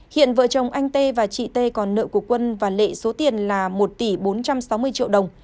hiện vợ chồng anh tê và chị t còn nợ của quân và lệ số tiền là một tỷ bốn trăm sáu mươi triệu đồng